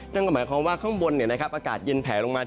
นั่นก็หมายความว่าข้างบนอากาศเย็นแผลลงมา